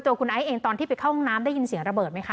คุณไอซ์เองตอนที่ไปเข้าห้องน้ำได้ยินเสียงระเบิดไหมคะ